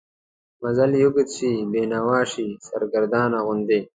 منزل یې اوږد شي، بینوا شي، سرګردانه غوندې